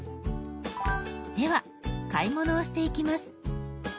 では買い物をしていきます。